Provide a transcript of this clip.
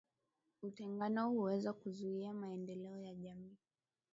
Utengano huweza kuzuia maendeleo ya jamii